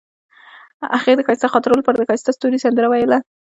هغې د ښایسته خاطرو لپاره د ښایسته ستوري سندره ویله.